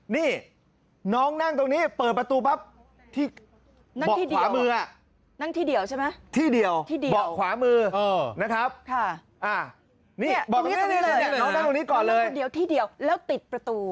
น้องนั่งตรงนี้เดียวที่เดียวแล้วติดประตู